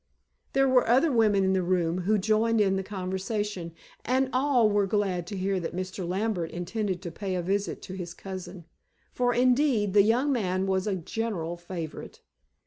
There were other women in the room, who joined in the conversation, and all were glad to hear that Mr. Lambert intended to pay a visit to his cousin, for, indeed, the young man was a general favorite.